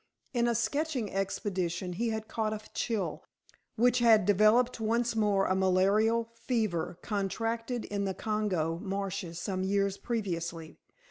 In a sketching expedition he had caught a chill, which had developed once more a malarial fever, contracted in the Congo marshes some years previously.